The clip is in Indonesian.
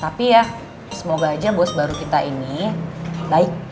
tapi ya semoga aja bos baru kita ini baik